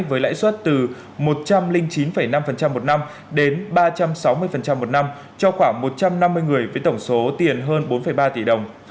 với lãi suất từ một trăm linh chín năm một năm đến ba trăm sáu mươi một năm cho khoảng một trăm năm mươi người với tổng số tiền hơn bốn ba tỷ đồng